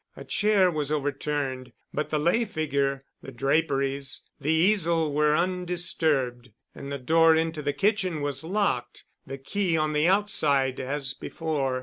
A chair was overturned but the lay figure, the draperies, the easel were undisturbed, and the door into the kitchen was locked, the key on the outside, as before.